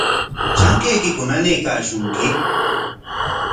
¿Trankaykiku nanaykashunki?